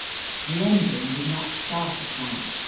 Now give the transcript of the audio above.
The engine would not start at once.